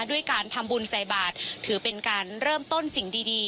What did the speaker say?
ด้วยการทำบุญใส่บาทถือเป็นการเริ่มต้นสิ่งดี